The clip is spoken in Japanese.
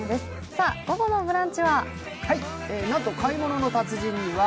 さぁ午後の「ブランチ」は？